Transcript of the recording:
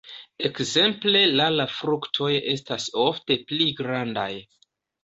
Ekzemple la la fruktoj estas ofte pli grandaj.